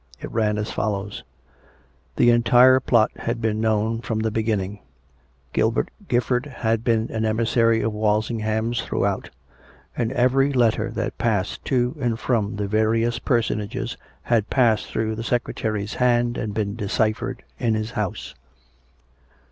It ran as follows: The entire plot had been known from the beginning. COME RACK! COME ROPE! 291 Gilbert Gifford had been an emissary of Walsingham's throughout; and every letter that passed to and from the various personages had passed through the Secretary's hands and been deciphered in his house.